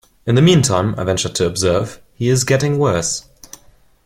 "In the meantime," I ventured to observe, "he is getting worse."